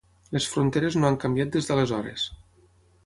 Les fronteres no han canviat des d'aleshores.